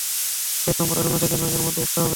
শেষ নম্বরটা শূন্য থেকে নয় এর মধ্যেই একটা হবে।